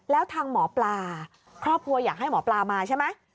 แล้วทางหมอปลาครอบครัวอยากให้หมอปลามาใช่ไหม